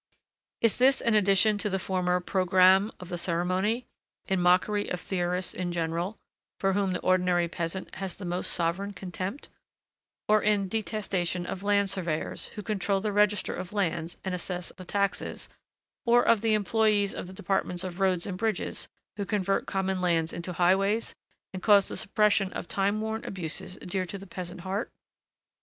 Is this an addition to the former programme of the ceremony, in mockery of theorists in general, for whom the ordinary peasant has the most sovereign contempt, or in detestation of land surveyors, who control the register of lands and assess the taxes, or of the employees of the Department of Roads and Bridges, who convert common lands into highways and cause the suppression of time worn abuses dear to the peasant heart?